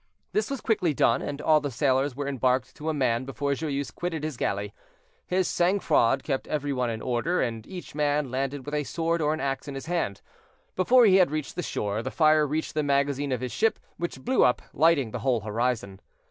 This was quickly done, and all the sailors were embarked to a man before Joyeuse quitted his galley. His sang froid kept every one in order, and each man landed with a sword or an ax in his hand. Before he had reached the shore, the fire reached the magazine of his ship, which blew up, lighting the whole horizon.